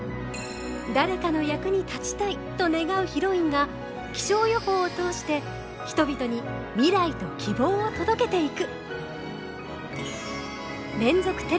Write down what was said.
誰かの役に立ちたいと願うヒロインが気象予報を通して人々に未来と希望を届けていく！